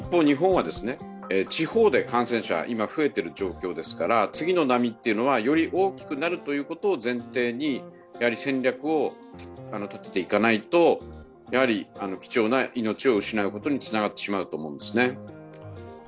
日本は地方で感染者増えている状況ですから次の波はより大きくなるということを前提に戦略を立てていかないと貴重な命を失うことにつながってしまうと思うんですね。